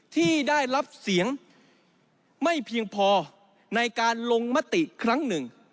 ที่ได้รับเสียงไม่เพียงพอในการลงมติครั้งหนึ่ง